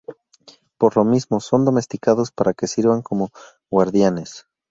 Por lo mismo son domesticados para que sirvan como guardianes.